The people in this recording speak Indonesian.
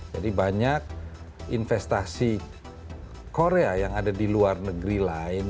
jadi banyak investasi korea yang ada di luar negeri lain